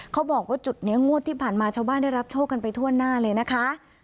เขาบอกว่าจุดนี้งวดที่ผ่านมาชาวบ้านได้รับโชคกันไปทั่วหน้าเลยนะคะ